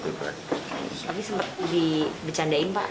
tadi di becandain pak